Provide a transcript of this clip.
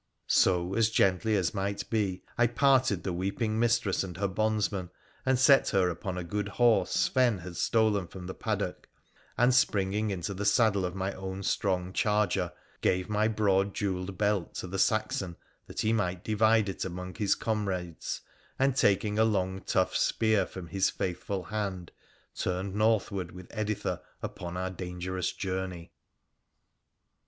So, as gently as might be, I parted the weeping mistress and her bondsmen, and set her upon a good horse Sven had stolen from the paddock, and springing into the saddle of my own strong charger, gave my broad jewelled belt to the Saxon that he might divide it among his comrades, and, taking a long tough spear from his faithful hand, turned northward with Editha upon our dangerous journey.